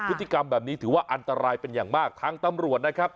พฤติกรรมแบบนี้ถือว่าอันตรายเป็นอย่างมากทางตำรวจนะครับ